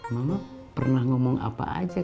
mama pernah ngomong apa aja